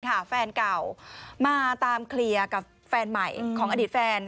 แฟนเก่ามาตามเคลียร์กับแฟนใหม่ของอดีตแฟน